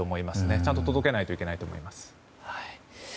ちゃんと届けないといけないと思います。